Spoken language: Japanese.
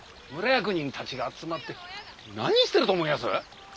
村役人たちが集まって何してると思いやす？